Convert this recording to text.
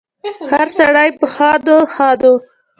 هره سړی په ښادو، ښادو